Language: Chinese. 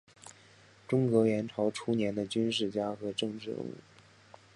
中国元朝初年的军事家和政治人物。